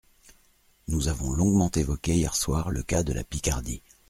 Nous avons longuement évoqué hier soir le cas de la Picardie.